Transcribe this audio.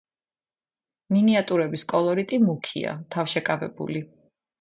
მინიატიურების კოლორიტი მუქია, თავშეკავებული.